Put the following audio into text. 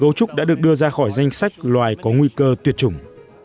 cấu trúc đã được đưa ra khỏi danh sách loài có nguy cơ tuyệt chủng